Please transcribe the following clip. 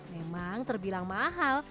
memang terbilang mahal